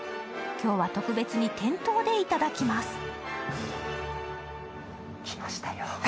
今日は特別に店頭で頂きます。